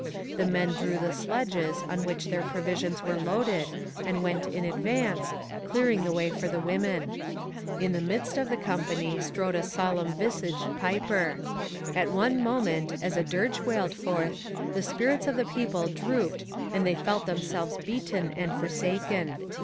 The men drew the sledges on which their provisions were loaded and went in advance, clearing the way for the women. In the midst of the company strode a solemn visaged piper. At one moment, as a dirge wailed forth, the spirits of the people drooped and they felt themselves beaten and forsaken.